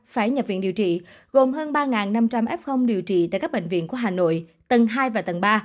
phải nhập viện điều trị gồm hơn ba năm trăm linh f điều trị tại các bệnh viện của hà nội tầng hai và tầng ba